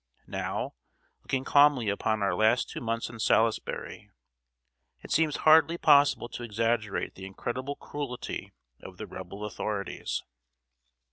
Now, looking calmly upon our last two months in Salisbury, it seems hardly possible to exaggerate the incredible cruelty of the Rebel authorities.